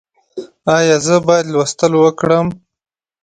ایا زه باید لوستل وکړم؟